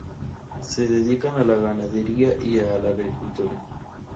Se dedican a la ganadería y a la agricultura.